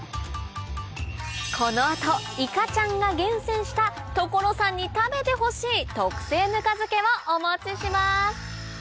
この後いかちゃんが厳選した所さんに食べてほしい特製ぬか漬けをお持ちします